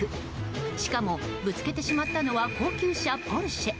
しかも、ぶつけてしまったのは高級車ポルシェ。